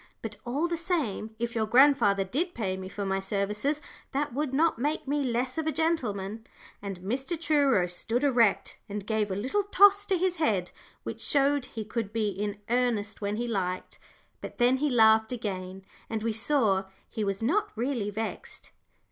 But all the same, if your grandfather did pay me for my services, that would not make me less of a gentleman!" and Mr. Truro stood erect, and gave a little toss to his head, which showed he could be in earnest when he liked. But then he laughed again, and we saw he was not really vexed.